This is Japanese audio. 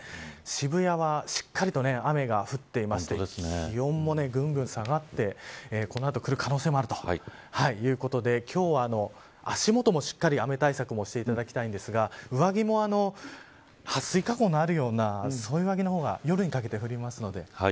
渋谷はしっかりと雨が降っていて気温もぐんぐん下がってこの後、くる可能性もあるということで今日は足元もしっかり雨対策もしていただきたいんですが上着も、撥水加工のあるようなそういう上着の方が夜にかけて降りますので。